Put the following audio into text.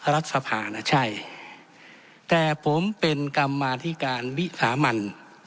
รัฐสภานะใช่แต่ผมเป็นกรรมาธิการวิสามัน